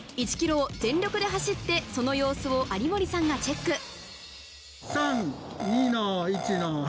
１ｋｍ全力で走って、その様子を有森さんがチェック。